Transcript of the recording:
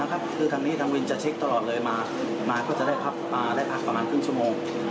คุณทางนี้ทำวินจะเช็คตลอดเลยมาก็จะได้พักประมาณครึ่งชั่วโมง